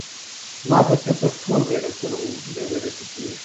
زما په فکر ټول غیرتونه مو بې غیرته کېږي.